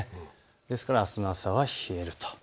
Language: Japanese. ですからあすの朝は冷える。